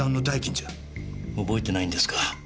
覚えてないんですか？